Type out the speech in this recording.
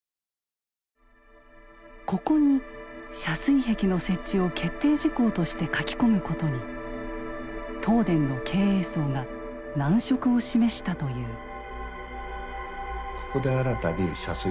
ここに遮水壁の設置を決定事項として書き込むことに東電の経営層が難色を示したという。